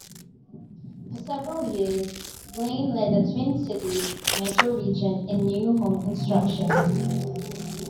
For several years Blaine led the Twin Cities metro region in new home construction.